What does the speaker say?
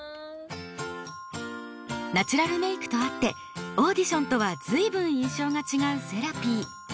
ナチュラルメイクとあってオーディションとは随分印象が違うせらぴー。